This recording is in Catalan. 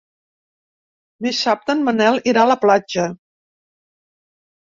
Dissabte en Manel irà a la platja.